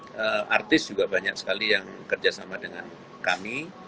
kelompok musik juga banyak sekali yang kerjasama dengan kami